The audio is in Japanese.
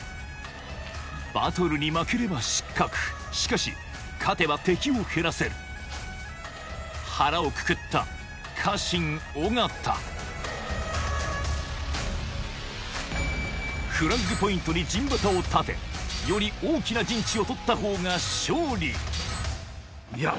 バトルに負ければ失格しかし勝てば敵を減らせる腹をくくった家臣尾形フラッグポイントに陣旗を立てより大きな陣地を取ったほうが勝利いや